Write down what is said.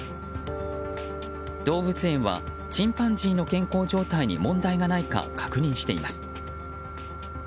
動物園はチンパンジーの健康状態に問題がないか確認しています。